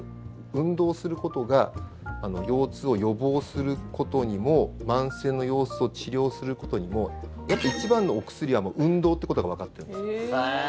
運動することが腰痛を予防することにも慢性の腰痛を治療することにもやっぱり一番のお薬は運動っていうことがわかってるんです。